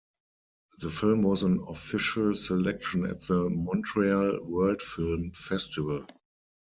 The film was an official selection at the Montreal World Film Festival.